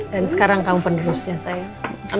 dan sekarang kamu penduduknya sayang